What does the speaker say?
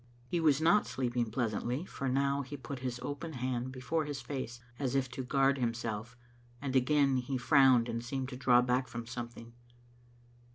He was not sleeping pleasantly, for now he put his open hand before his face, as if to guard himself, and again he frowned and seemed to draw back from something.